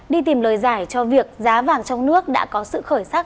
đi tìm lời giải cho việc giá vàng trong nước đã có sự khởi sắc